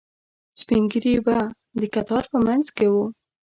سپینږیري به د کتار په منځ کې وو.